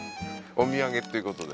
お土産っていうことで。